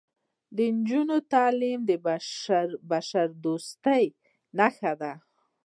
د نجونو تعلیم د بشردوستۍ نښه ده.